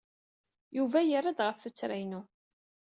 Yuba yerra-d ɣef tuttra-inu.